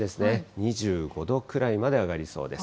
２５度くらいまで上がりそうです。